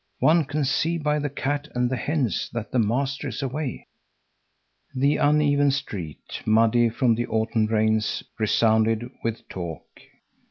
One can see by the cat and the hens that the master is away." The uneven street, muddy from the autumn rains, resounded with talk.